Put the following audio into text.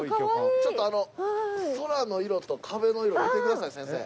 ちょっとあの空の色と壁の色見てください先生。